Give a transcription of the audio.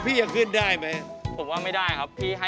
มีบังค์ร้อยด้วยไหม